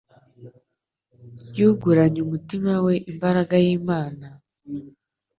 Yuguranye umutima we imbaraga y'Imana,